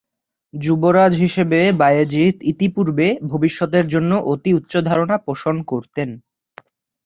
যুবরাজ হিসেবে বায়েজীদ ইতিপূর্বে ভবিষ্যতের জন্য অতি উচ্চ ধারণা পোষণ করতেন।